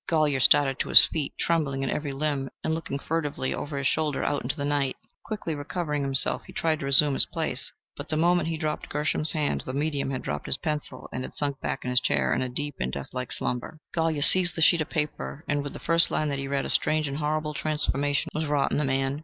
Golyer started to his feet, trembling in every limb, and looking furtively over his shoulder out into the night. Quickly recovering himself, he turned to resume his place. But the moment he dropped Gershom's hand, the medium had dropped his pencil, and had sunk back in his chair in a deep and deathlike slumber. Golyer seized the sheet of paper, and with the first line that he read a strange and horrible transformation was wrought in the man.